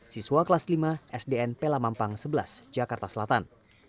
siswa kelas lima sdn pelamampang sebelas jakarta selatan